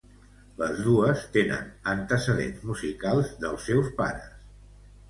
Les dos tenen antecedents musicals dels seus pares.